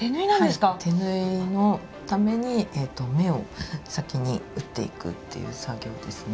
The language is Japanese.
手縫いのために目を先に打っていくっていう作業ですね。